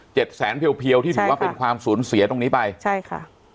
แสนเพียวเพียวที่ถือว่าเป็นความสูญเสียตรงนี้ไปใช่ค่ะ